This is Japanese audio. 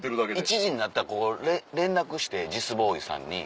１時になったらここ連絡してジスボーイさんに。